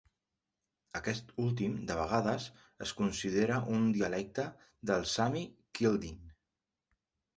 Aquest últim de vegades es considera un dialecte del sami kildin.